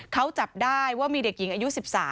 เขาจับได้ว่ามีเด็กหญิงอายุ๑๓